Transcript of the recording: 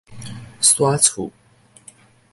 徙厝